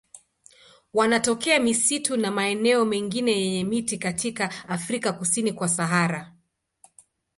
Wanatokea misitu na maeneo mengine yenye miti katika Afrika kusini kwa Sahara.